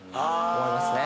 思いますね。